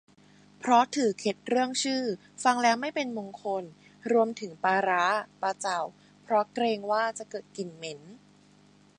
เพราะถือเคล็ดเรื่องชื่อฟังแล้วไม่เป็นมงคล รวมถึง ปลาร้า ปลาเจ่า เพราะเกรงว่าจะเกิดกลิ่นเหม็น